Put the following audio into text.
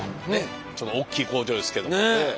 ちょっと大きい工場ですけど。